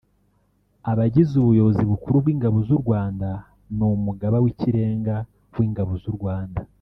Abagize Ubuyobozi bukuru bw’Ingabo z’u Rwanda ni Umugaba w’Ikirenga w’Ingabo z’u Rwanda